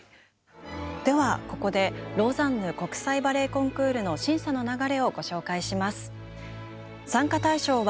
ではここでローザンヌ国際バレエコンクールの審査の流れをご紹介します。